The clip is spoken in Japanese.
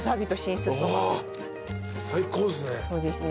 最高ですね。